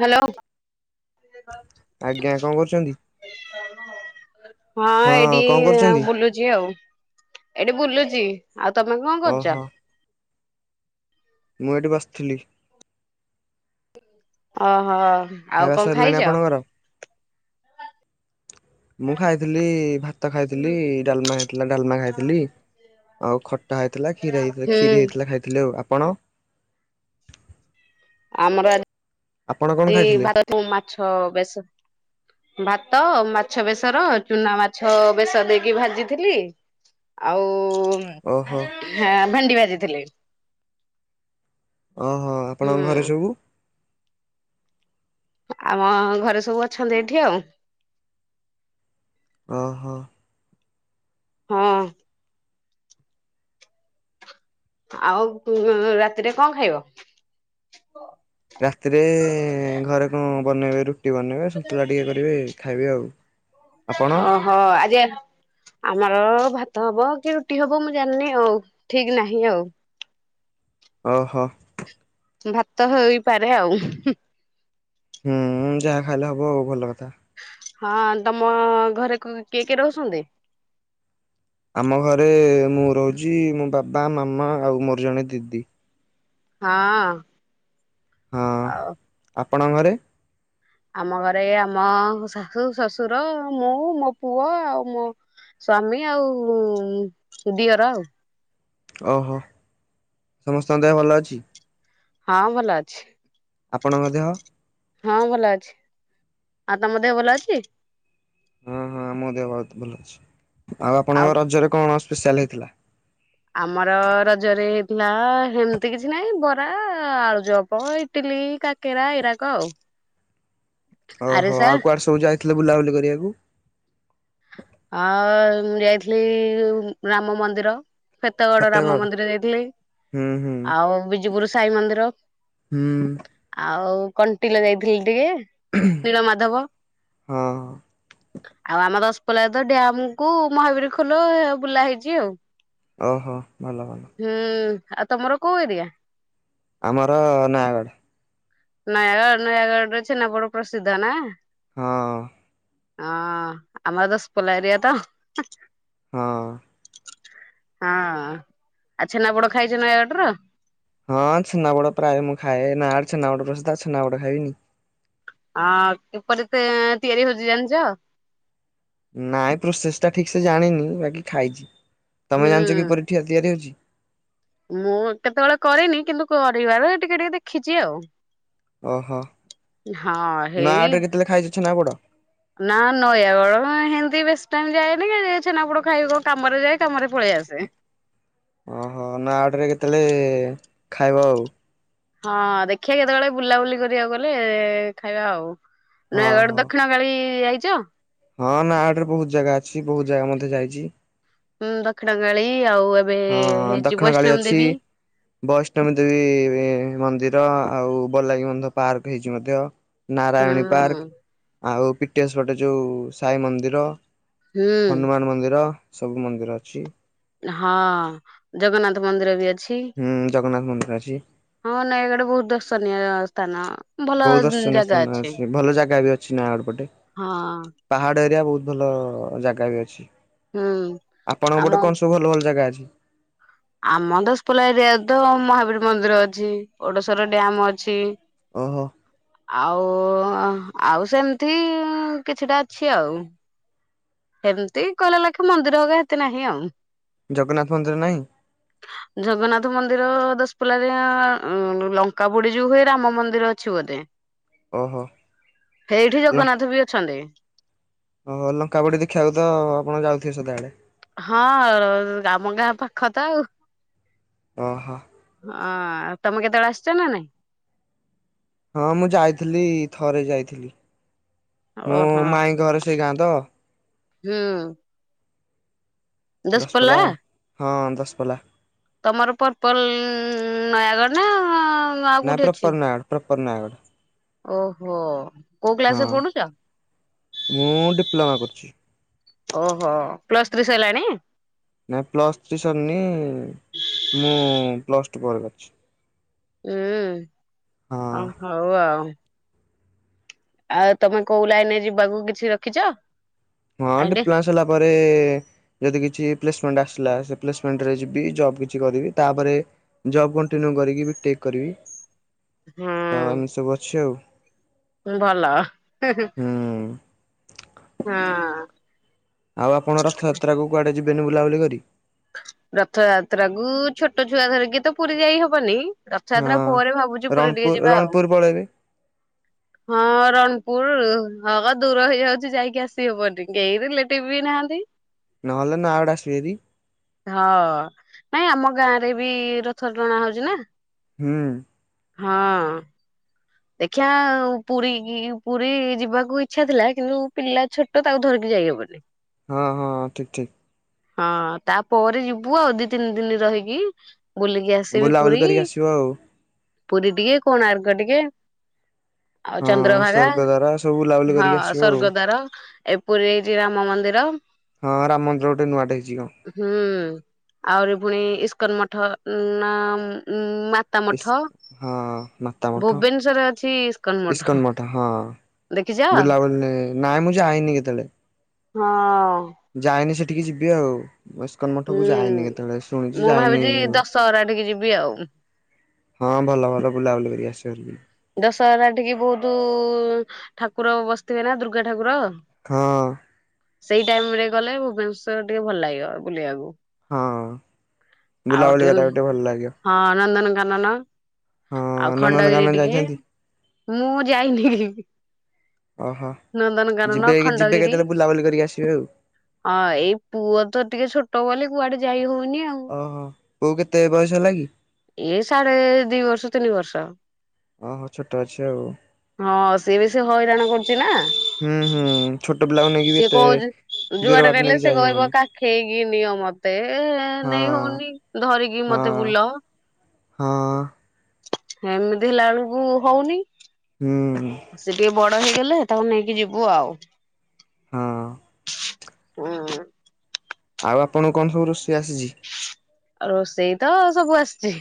Hello. ଆଜ୍ଞା କଣ କରୁଚନ୍ତି? ହଁ ଏଇଠି କଣ କରୁଛନ୍ତି? ବୁଲୁ [unintelligible] ଏଇଠି ବୁଲୁଚି। ଆଉ ତମେ କଣ ଓହୋ କରୁଚ? ମୁଁ ଏଇଠି ବସିଥିଲି। ଓହୋ। ଆଉ ଖାଇବା କଣ ସରିଲାଣି ଖାଇଚ? ଆପଣଙ୍କର। ମୁଁ ଖାଇଥିଲି ଭାତ ଖାଇଥିଲି ଡାଲମା ହୋଇଥିଲା ଡାଲମା ଖାଇଥିଲି। ଆଉ ଖଟା ହେଇଥିଲା କ୍ଷୀର ହେଇ ହୁଁ କ୍ଷୀରି ହେଇଥିଲା ଖାଇଥିଲି ଆଉ। ଆପଣ? ଆମର ଆପଣ କଣ ଆଜି ଖାଇଥିଲେ? ଭାତ ମାଛ ବେଶର ଭାତ ମାଛ ବେଶର ଚୁନା ମାଛ ବେଶ ଦେଇକି ଭାଜିଥିଲି। ଆଉ ଓହୋ ଭେଣ୍ଡି ଭାଜିଥିଲି। ଓହୋ ହୁଁ ଆପଣଙ୍କ ଘରେ ସବୁ? ଆମ ଘରେ ସବୁ ଅଛନ୍ତି ଏଇଠି ଆଉ। ଓହୋ। ହଁ। ଆଉ ରାତିରେ କଣ ଖାଇବ? ରାତିରେ ଘରେ କଣ ବନେଇବେ ରୁଟି ବନେଇବେ ସନ୍ତୁଳା ଟିକେ କରିବେ ଖାଇବେ ଆଉ ଆପଣ ଓହୋ ଆଜି ଆମର ଭାତ ହବ କି ରୁଟି ହବ ମୁଁ ଜାଣିନି ଆଉ ଠିକ ନାହିଁ ଆଉ ଓହୋ। ଭାତ ହେଇପାରେ ଆଉ ହୁଁ ଯାହା ଖାଇଲେ ହବ ଆଉ ଭଲ କଥା। ହଁ ତମ ଘରେକୁ କିଏ କିଏ ରହୁଛନ୍ତି? ଆମ ଘରେ ମୁଁ ରହୁଛି ମୋ ବାବା ମାମା ଆଉ ମୋର ଜଣେ ଦିଦି। ହଁ ହଁ ଆଉ ଆପଣଙ୍କ ଘରେ? ଆମ ଘରେ ଆମ ଶାଶୁ ଶଶୁର ମୁଁ ମୋ ପୁଅ ଆଉ ମୋ ସ୍ଵାମୀ ଆଉ ଦିଅର ଆଉ। ଓହୋ ସମସ୍ତଙ୍କ ଦେହ ଭଲ ଅଛି? ହଁ ଭଲ ଅଛି। ଆପଣଙ୍କ ଦେହ? ହଁ ଭଲ ଅଛି ଆଉ ତମ ଦେହ ଭଲ ଅଛି? ହଁ ହଁ ମୋ ଦେହ ବହୁତ ଭଲ ଅଛି ଆଉ ଆପଣଙ୍କ ରଜରେ କଣ ସ୍ପେଶାଲ ହେଇଥିଲା? ଆମର ରଜରେ ହେଇଥିଲା ଏମିତି କିଛି ନହିଁ ବରା ଆଳୁଚପ ଏ ଇଟିଲି କାକେରା ଏଇରାକ ଆଉ ଓହୋ ଆରିସା ଆଉ କୁଆଡେ ସବୁ ଯାଇଥିଲେ ବୁଲାବୁଲି କରିବାକୁ? ଆଉ ମୁ ଯାଇଥିଲି ରାମ ମନ୍ଦିର। ଫେତଗଡ ରାମ ଫତେଗଡ ମନ୍ଦିର ଯାଇଥିଲି ହୁଁ ହୁଁ ଆଉ ବିଜିପୁର ସାଇ ମନ୍ଦିର। ହୁଁ। ଆଉ କଣ୍ଟିଲ ଯାଇଥିଲି ଟିକେ, ନୀଳ ମାଧବ। ହଁ ଆଉ ଆମର କୋଲାଦ ଡ୍ୟାମକୁ ମହାବୀର ଖୋଲ ବୁଲା ହେଇଛି ଆଉ। ଓହୋ ଭଲ ଭଲ। ହୁଁ, ଆଉ ତମର କୋଉ ଏରିଆ? ଆମର ନୟାଗଡ଼। ନୟାଗଡ଼ ନୟାଗଡ଼ରେ ଛେନା ପୋଡ଼ ପ୍ରସିଦ୍ଧ ନା? ହଁ। ହଁ, ଆମର ତ ଦଶପଲା ଏରିଆ ତ। ହଁ। ହଁ, ଆଉ ଛେନା ପୋଡ ଖାଇଛ ନୟାଗଡର? ହଁ, ଛେନାପୋଡ ପ୍ରାୟ ମୁଁ ଖାଏ। ନୟାଗଡର ଛେନାପୋଡ଼ ପ୍ରସିଦ୍ଧ ଛେନାପୋଡ ଖାଇବିନି। ହଁ, କିପରି ସେ ତିଆରି ହଉଛି ଜାଣିଛ? ନାଇଁ ପ୍ରୋସେସଟା ଠିକ ସେ ଜାଣିନି ବାକି ଖାଇଛି। ତମେ ହୁଁ ଜାଣିଛ କି ପରି ଠିଆ ତିଆରି ହଉଛି? ମୁଁ କେତେବେଳେ କରିନି କିନ୍ତୁ କରିବାର ଟିକେ ଟିକେ ଦେଖିଛି ଆଉ? ଓହୋ! ହଁ ହେଇ ନୟାଗଡରେ କେତେଲେ ଖାଇଛ ଛେନାପୋଡ଼? ନା, ନୟାଗଡ ହେମତି ବି ବେସି ଟାଇମ ଯାଏନି ଛେନାପୋଡ ଖାଇବି କ କାମରେ ଯାଏ କାମରେ ପଳେଇ ଆସେ। ଓହୋ! ନୟାଗଡରେ କେତେବେଳେ ଖାଇବ ଆଉ? ହଁ, ଦେଖିବା କେତେବେଳେ ବୁଲାବୁଲି କରିବାକୁ ଗଲେ ଖାଇବା ଆଉ। ହଁ ନୟାଗଡ ହଁ ଦକ୍ଷିଣ- କାଳୀ ଯାଇଛ। ହଁ, ନୟାଗଡରେ ବହୁତ ଜାଗା ଅଛି ବହୁତ ଜାଗା ମଧ୍ୟ ଯାଇଛି। ହୁଁ, ଦକ୍ଷିଣକାଳୀ, ଆଉ ଏବେ ହଁ ହେଇଛି ଦକ୍ଷିଣ କାଳୀ ବୈଷ୍ଣବ ଅଛି ଦେବୀ। ବୈଷ୍ଣବୀ ଦେବୀ ମନ୍ଦିର, ଆଉ ବଲାଗୀ ବନ୍ଧ ପାର୍କ ହେଇଛି ମଧ୍ୟ। ନାରାୟଣୀ ପାର୍କ, ହୁଁ ଆଉ ପିଟିଏସ୍ପଟେ ଯେଉଁ ସାଇ ମନ୍ଦିର, ହୁଁ ହନୁମାନ ମନ୍ଦିର, ସବୁ ମନ୍ଦିର ଅଛି‌। ହଁ, ଜଗନ୍ନାଥ ମନ୍ଦିର ବି ଅଛି। ହୁଁ, ଜଗନ୍ନାଥ ମନ୍ଦିର ଅଛି। ହଁ, ନୟାଗଡ ବହୁତ ଦର୍ଶନୀୟ ସ୍ଥାନ। ଭଲ ବହୁତ ଦର୍ଶନୀୟ ଅଛି ଭଲ ଜାଗା ବି ଅଛି ନୟାଗଡ଼ ପଟେ। ହଁ। ପାହାଡ ଏରିଆ ବହୁତ ଭଲ ଜାଗା ବି ଅଛି। ହୁଁ ଆପଣଙ୍କ ଆମ ପଟେ କଣ ସବୁ ଭଲ ଭଲ ଜାଗା ଅଛି? ଆମ ଦଶପଲା ଏରିଆରେ ତ ମହାବୀର ମନ୍ଦିର ଅଛି, ଓଡ଼ଶର ଡ୍ୟାମ ଅଛି। ଓହୋ! ଆଉ ଆଉ ସେମତି କିଛିଟା ଅଛି ଆଉ। ଏମିତି କହିଲ ଲେଖେ ମନ୍ଦିର ହଗ ଏତେ ନାହିଁ ଆଉ। ଜଗନ୍ନାଥ ମନ୍ଦିର ନାହିଁ। ହଁ [unintelligible] ଜଗନ୍ନାଥ ମନ୍ଦିର ଦଶପୁଲାରେରେ ଲଙ୍କା ପୋଡି ଯୋଉ ହୁଏ ରାମ ମନ୍ଦିର ଅଛି ବୋଧେ। ହ [unintelligible] ଓହୋ! ସେଇଠି ଜଗନ୍ନାଥ ବି ଅଛନ୍ତି। ଓହ! ଲଙ୍କା ପୋଡି ଦେଖିବାକୁ ତ ଆପଣ ଯାଉଥିବେ ସଦାବେଳେ। ହଁ, ଆାମ ଗାଁ ପାଖ ତ ଆଉ। ଓହୋ! ହଁ, ଆଉ ତମେ କେତେବେଳେ ଆସିଛ ନା ନାଇଁ? ହଁ, ମୁଁ ଯାଇଥିଲି ଥରେ ଯାଇଥିଲି। ମୋ ଓହୋ ମାଇଁ ଘରେ ସେଇ ଗାଁ ତ। ହୁଁ ଦଶପଲା ଦଶପଲ୍ଲା? ହଁ ଦଶପଲା। ତମର ପର୍ପଲ ନୟାଗଡ଼ ନା ଆଉ ନାଇଁ କୋଉଠି ଅଛି ପ୍ରପର ନୟାଗଡ଼ ପ୍ରପର ନୟାଗଡ଼ ଓହୋ କୋଉ ହଁ କ୍ଲାସରେ ପଢୁଛ? ମୁଁ ଡିପ୍ଲୋମା କରୁଛି। ଓହୋ ପ୍ଲସ୍ ଥ୍ରି ସାରିଲାଣି। ନାଇଁ ପ୍ଲସ୍ ଥ୍ରୀ ସରିନି ମୁଁ ପ୍ଲସ୍ ଟୁ ପରେ କରିଛି। ହୁଁ ହଁ ଅ ହଉ ଆଉ। ଆଉ ତମେ କୋଉ ଲାଇନରେ ଯିବାକୁ କିଛି ରଖିଛ? ହଁ ଆଇଡେ ଡିପ୍ଲୋମା ସରିଲା ପରେ ଯଦି କିଛି ପ୍ଲେସମେଣ୍ଟ ଆସିଲା ସେ ପ୍ଲେସମେଣ୍ଟରେ ଯିବି ଜବ କିଛି କରିବି ତାପରେ ଜବ୍ କଣ୍ଟିନ୍ୟୁ କରିକି ବି ଟେକ୍ କରିବି ତ‌ଏମିତି ହୁଁ ସବୁ ଅଛି ଆଉ। ଭଲ ହୁଁ ହଁ ଆଉ ଆପଣ ରଥଯାତ୍ରା କୁଆଡେ ଯିବେନି ବୁଲାବୁଲି କରି। ରଥଯାତ୍ରା କୁ ଛୋଟ ଛୁଆ ଧରିକି ତ ପୁରୀ ଯାଇ ହବନି। ହଁ। ରଥଯାତ୍ରା ପରେ ଭାବୁଛିୁ ପୁରୀ ରଣପୁର ଟିକେ ଯିବା ଆଉ। ରଣପୁର ପଳେଇବେ ହଁ ରଣପୁର ହଉ ଦୂର ହେଇଯାଉଛି ଯାଇକି ଆସି ହବନି କେହି ରିଲେଟିଭ ବି ନାହାନ୍ତି। ନହଲେ ନା ଆଡ଼େ ଆସିଲିବିଦି। ହଁ ନାଇଁ ଆମ ଗାଁରେ ବି ରଥଣା ହଉଛି ନା। ହୁଁ। ହଁ। ଦେଖିବା ପୁରୀ ପୁରୀ ଯିବାକୁ ଇଚ୍ଛା ଥିଲା କିନ୍ତୁ ପିଲା ଛୋଟ ତ ତାକୁ ଧରିକି ଯାଇହବନି। ହଁ ହଁ ହଁ ଠିକ୍ ଠିକ୍ ହଁ ତାପରେ ଯିବୁ ଆଉ ଦି ତିନି ଦିନ ରହିକି ବୁଲିକି ଆସିବି ବୁଲାବୁଲି ପୁରୀ କରିକି ଆସିବ ଆଉ ପୁରୀ ଟିକେ କୋଣାର୍କ ଟିକେ ଆଉ ହଁ ଚନ୍ଦ୍ରଭାଗା ସ୍ୱର୍ଗଦ୍ୱାର ସବୁ ବୁଲାବୁଲି ହଁ କରିକି ଆସିବ ଆଉ ସଵର୍ଗଦାର ଏପରି ପୁରୀ ହେଇଛି ରାମ ମନ୍ଦିର ହଁ ରାମ ମନ୍ଦର ଗୋଟେ ନୂଆଟେ ହେଇଛି କଣ? ହୁଁ ଆହୁରି ପୁଣି ଇସ୍କନ ମଠ ଇସ୍ ହଁ ମାତା ମଠ ଭୁବନେଶ୍ଵରରେ ଅଛି ଇସ୍କନ ଇସ୍କନ୍ ମଠ ହଁ ଦେଖିଛ? ବୁଲା ବୁଲି ନାଇଁ ମୁଁ ଯାଇନି କେତେବେଳେ। ହଁ। ଯାଇନି ସେଠିକି ଯିବି ଆଉ। ବୟସ୍କନ ମଠକୁ ଯାଇନି ହୁଁ କେତେବେଳେ ଶୁଣିଛି ମୁଁ ଯାଇନି। ଭାବିଛି ଦଶହରା ଠିକି ଯିବି ଆଉ ହଁ ଭଲ ଭଲ ବୁଲାବୁଲି କର ଆସ କରିବି। ଦଶହରା ଟିକେ ବହୁତ ଠାକୁର ବସିଥିବେ ନା ଦୁର୍ଗା ଠାକୁର ହଁ। ସେଇ ଟାଇମ ରେ ଗଲେ ଭୁବନେଶ୍ଵର ଟିକେ ଭଲ ଲାଗିବ ବୁଲିବାକୁ। ହଁ ଆଉ ବୁଲାବୁଲି ଟିକେ କଟକୁ ଗୋିକେ ଭଲ ଲାଗିବ। ହଁ ନନ୍ଦନକାନନ ହଁ ଆଉ ଖଣ୍ଡଗିରି ନନ୍ଦନକାନନ ଟିକେ ଯାଇଛନ୍ତି ମୁଁ ଯାଇନି ଯିବି। ଓହୋ ଯିବେ ଯିବେ ଖଣ୍ଡଗିରି କେତେବେଳେ ବୁଲାବୁଲି କରିକି ଆସିବେ ଆଉ। ହଁ ଏଇ ପୁଅ ତ ଟିକେ ଛୋଟ ଗଲେ କୁଆଡେ ଯାଇ ହଉନି ଆଉ। ଓହୋ କୋଉ କେତେ ବୟସ ହେଲା କି? ଏଇ ସାଢେ ଦି ବର୍ଷ ତିନି ବର୍ଷ। ଓହୋ ଛୋଟ ଅଛି ଆଉ। ହଁ ସିଏ ବି ସେି ହଇରାଣ କରୁଛି ନା। ହୁଁ ହୁଁ ଛୋଟ ପିଲାକୁ ନେଇକି ସିଏ ଏତେ ଦୂର ବାଟ ନେଇକି ଯାଇହବନି। ଖଇକି ନିଅ ମତେ ହଁ ନେଇ ହଉନି ଧରିକି ହଁ ମତେ ବୁଲ ହଁ ଏମିତି ହେଲା ବେଳକୁ ହଉନି ହୁଁ। ସେ ଟିକେ ବଡ ହେଇଗଲେ ତାକୁ ନେଇକି ଯିବୁ ଆଉ। ହଁ। ହଁ ହ। ଆଉ ଆପଣଙ୍କୁ କଣ ସବୁ ରୋଷେଇ ଆସିଛି। ଆଉ ରୋଷେଇ ତ ସବୁ ଆସିଛି।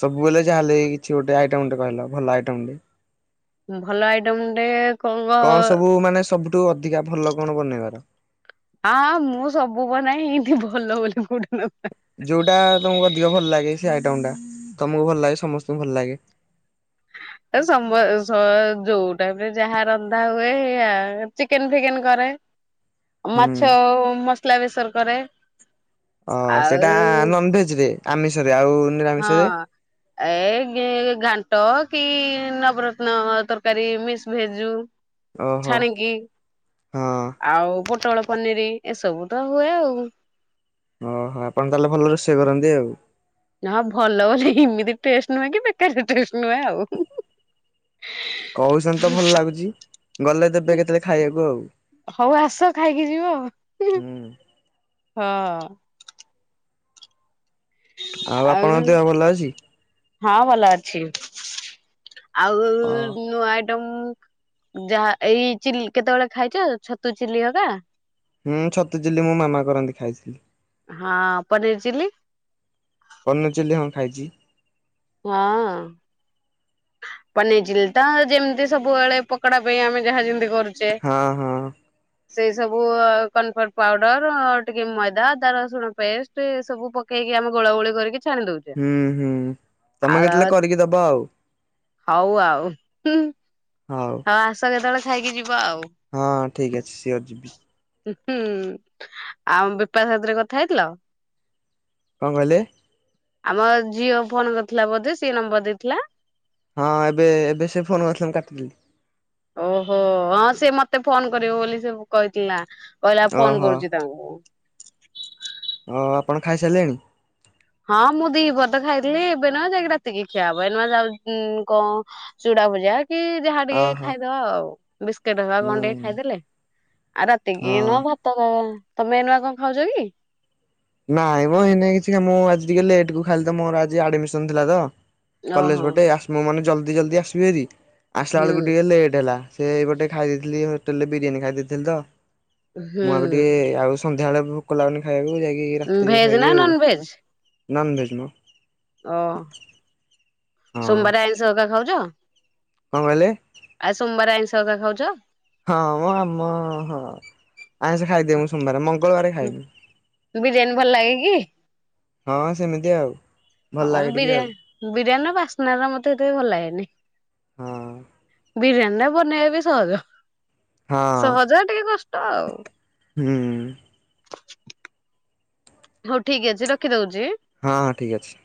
ସବୁବେଳେ ଯାହା ହେଲେ କିଛି ଗୋଟେ ଆଇଟମ ଗଟେ କହିଲ ଭଲ ଆଇଟମ ଟେ। ଭଲ ଆଇଟମ ଟେ କଣ ସବୁ ମାନେ ସବୁଠୁ ଅଧିକା ଭଲ କଣ ବନେଇବାର। ଆଁ ମୁଁ ସବୁ ବନାଏ ଏମିତି ଭଲ ବୋଲି କୋଉଟା ନ ଥାଏ। ଯୋଉଟା ତମକୁ ଅଧିକ ଭଲ ଲାଗେ ସେ ଆଇଟମ ଟା ତମକୁ ଭଲ ଲାଗେ ସମସ୍ତଙ୍କୁ ଭଲ ଲାଗେ। ଏ ସମ ସ ଯୋଉ ଟାଇପରେ ଯାହା ରନ୍ଧା ହୁଏ ଏଇଆ ଚିକେନ ଫିକେନ କରେ। ହୁଁ। ମାଛ ମସଲା ବେସର କରେ। ଅ ସେଇଟା ଆଉ ନନଭେଜ ରେ ଆମିଷରେ ଆଉ ନିରାମିଷରେ ହଁ। ଏ ଗେ ଘାଣ୍ଟ କି ନବରତ୍ନ ତରକାରୀ ମିିକ୍ସ ଭେଜ ଯୋଉ। ଓହୋ ଛାଣିକି ହଁ ଆଉ ପୋ ଟଳ ପନିର ଏସବୁ ତ ହୁଏ ଆଉ। ଓହୋ ଆପଣ ତାହେଲେ ଭଲ ରୋଷେଇ କରନ୍ତି ଆଉ। ନା ଭଲ ବୋଲି ଏମିତି ଟେଷ୍ଟ ନୁହଁ କି ବେକାର ଟଷ୍ଟ ନୁହେଁ ଆଉ ହୁଁ ହୁଁ। କହୁସନ ତ ଭଲ ଲାଗୁଛି ଗଲେ ଦେବେ କେତେବେଳେ ଖାଇବାକୁ ଆଉ। ହଉ ଆସ ଖାଇକି ଯିବ ହୁଁ ହୁଁ। ହଁ। ଆଉ ଆପଣଙ୍କ ଦେହ ଭଲ ଅଛି? ହଁ ଭଲ ଅଛି ଆଉ ଅ ନୂଆ ଟମ୍ ଯାହା ଏଇ ଚିଲି କେତେବେଳେ ଖାଇଛ ଛତୁ ଚିଲି ଅକା। ହୁଁ ତୁ ଚିଲି ମୋ ମାମା କରନ୍ତି ଖାଇଥିଲି। ହଁ ପନିର ଚିଲ୍ଲି? ପନିର ଚିଲି ହଁ ଖାଇଛି। ହଁ। ପନିରଚିଲି ତ ଯେମିତି ସବୁବେଳେ ପକଡା ପାଇଁ ଆମେ ଯାହ ଯେମିତି କରୁଚେ। ହଁ ହଁ ସେଇ ସବୁ କନଫଟ ପାଉଡର ଟିକେ ମଇଦା ଅଦା ରସୁଣ ପେଷ୍ଟ। ରେ ସବୁ ପକେଇକି ଆମେ ଗୋଳା ଗୋଳି କରିକି ଛାଣି ଦଉ। ହୁଁ ହୁଁ ତମେ କେତେବେଳେ କରିକି ଦବ ଆଉ। ହଉ ଆଉ ହୁଁ ହଉ ଆସ କେତେବେଳେ ଖାଇକି ଯିବ ଆଉ। ହଁ ଠିକ୍ ଅଛି ସିଓର ଯିବି। ଉଁ ହୁଁ ଆଉ ବିପା ସାଥିରେ କଥା ହେଇଥିଲ? କଣ କହିଲେ? ଆମ ଝିଅ ଫୋନ କରିଥିଲା ବୋଧେ ସେ ନମ୍ବର ଦେଇଥିଲା। ହଁ ଏବେ ଏବେ ସେ ଫୋନ କରିଥିଲେ ମୁଁ କାଟିଦେଲି। ଓହୋ ହଁ ସିଏ ମତେ ଫୋନ କରିବ ବୋଲି ସବୁ କହିଥିଲା। କହିଲା ଫୋନ ଓହୋ କରୁଛି ତାଙ୍କୁ। ହଁ ଆପଣ ଖାଇସାରିଲେଣି? ହଁ ମୁଁ ଦିବରେ ତ ଖାଇଥିଲି ଏବେ ନୁ ଯାଇକି ରାତିକି ଖିଆ ହବ ଏନୁଆ ଯାଉ ଉଁ କ ଚୁଡା ଭଜା କି ଯାହା ଟିକେ ଓହୋ ଖାଇଦବା ଆଉ। ବିସ୍କିଟ ବା କଣ୍ଡେଇ ହୁଁ। ଖାଇଦେଲେ ଆଉ ରାତିକି ନ ହଁ ଭା ତମେ ତମେ ଏ ନୁଆ କଣ ଖାଉଛ କି? ନାଇଁ ମ ଏଇନା କିଛି ମୁଁ ଆଜି ଟିକେ ଲେଟ କୁ ଖାଲି ତ ମୋର ଆଜି ଆଡମିସନ ଥିଲା ତ କଲେଜ ଓହୋ ପଟେ ଆସମ ମାନେ ଜଲ୍ଦି ଜଲ୍ଦି ଆସିବି ହେରି ଆସିଲା ହୁଁ ବେଳକୁ ଟିକେ ଲେଟ୍ ହେଲା। ସେ ଗୋଟେ ଖାଇ ଦେଇଥିଲି ହୋଟେଲରେ ବିରିୟାନୀ ଖାଇ ଦେଇଥିଲି ତ ହୁଁ ମୁଁ ଆବେ ଟିକେ ଆଉ ସ ସନ୍ଧ୍ୟାବେଳେ ଭୋକ ଲାଗୁନି ଖାଇବାକୁ ଯାଇକି ରାତିରେ ଭେଜ ନା ଖାଇବି ଆଉ। Non veg? ନନ୍ ଭେଜ ମ। ଓ ହଁ ସୋମବାରେ ଆଇଁଷ ଅକା ଖାଉଛ? କଣ କହିଲେ? ଆଜି ସୋମବାର ଆଇଁଷ ହେରିକା ଖାଉଛ। ହଁ ମୁଁ ଆମ ହଁ, ଆଇଁଷ ଖାଇଦିଏ ମୁଁ ସୋମବାର ମଙ୍ଗଳବାର ଖାଇନି। ବିରିୟାନୀ ଭଲ ଲାଗେ କି ହଁ ସେମିତି ଆଉ। ଭଲ ହଁ ଲାଗେ ଟିକେ ବିରିୟ ଆଉ ବିରିୟାନୀର ବାସ୍ନା ରା ମତେ ଏଥି ଭଲ ଲାଗେନି। ହଁ ହଁ। ବିରିୟାନୀ ଟା ବନେଇ ବା ସହଜ ହଁ ସହଜ ଟିକେ କଷ୍ଟ ଆଉ। ହଁ ହୁଁ ହଉ ଠିକ୍ ଅଛି ରଖିଦଉଛି। ହଁ ହଁ ଠିକ ଅଛି।